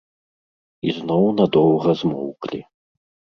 І зноў надоўга змоўклі.